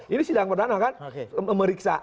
ini sidang perdana kan memeriksa